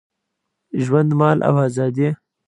ژوند، مال او آزادي